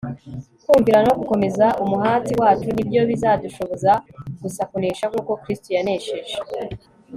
kumvira no gukomeza umuhati wacu ni byo bizadushoboza gusa kunesha nk'uko kristo yanesheje